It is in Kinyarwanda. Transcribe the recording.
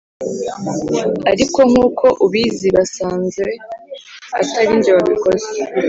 ariko nk’uko ubizi basanze atari njye wabikoze,